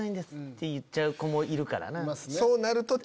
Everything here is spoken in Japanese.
言っちゃう子もいるからな。